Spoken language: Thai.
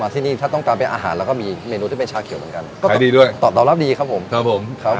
ที่นี่ถ้าต้องการเป็นอาหารเราก็มีเมนูที่เป็นชาเขียวเหมือนกันก็ขายดีด้วยตอบรับดีครับผมครับผมครับ